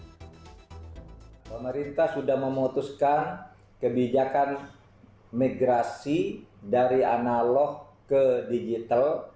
pemerintah sudah memutuskan kebijakan migrasi dari analog ke digital